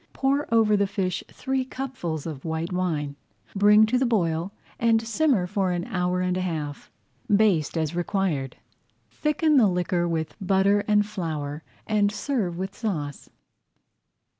Pour over the fish three cupfuls of white wine, bring to the boil, and simmer for an hour and a half. Baste as required. Thicken the liquor with butter and flour and serve with the sauce.